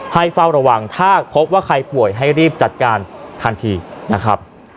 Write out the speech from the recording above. เฝ้าระวังถ้าพบว่าใครป่วยให้รีบจัดการทันทีนะครับ